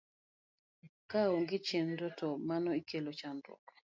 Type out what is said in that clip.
Kaonge chenro to mano ikelo chandruok